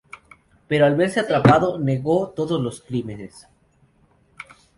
Pero al verse atrapado negó todos los crímenes.